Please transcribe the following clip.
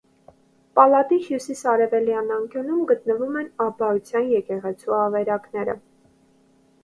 Պալատի հյուսիս֊արևելյան անկյունում գտնվում են աբբայության եկեղեցու ավերակները։